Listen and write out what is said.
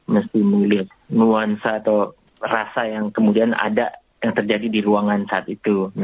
mesti melihat nuansa atau rasa yang kemudian ada yang terjadi di ruangan saat itu